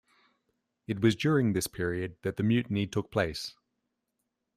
It was during this period that the mutiny took place.